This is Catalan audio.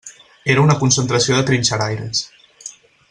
Era una concentració de trinxeraires.